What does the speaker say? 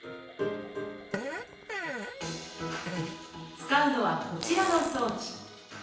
使うのはこちらの装置。